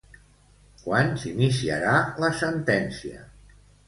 Quan s'iniciarà la sentència?